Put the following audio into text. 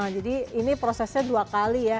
jadi ini prosesnya dua kali ya